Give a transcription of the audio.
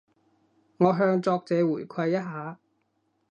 我向作者回饋一下